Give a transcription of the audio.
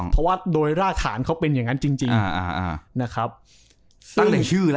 เพราะว่าโดยรากฐานเขาเป็นอย่างนั้นจริง